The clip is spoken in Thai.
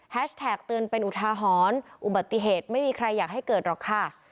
แท็กเตือนเป็นอุทาหรณ์อุบัติเหตุไม่มีใครอยากให้เกิดหรอกค่ะ